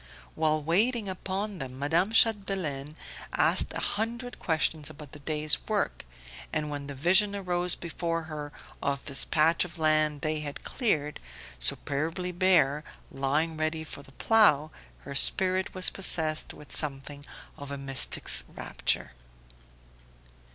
While waiting Upon them Madame Chapdelaine asked a hundred questions about the day's work, and when the vision arose before her of this patch of land they had cleared, superbly bare, lying ready for the Plough, her spirit was possessed with something of a mystic's rapture.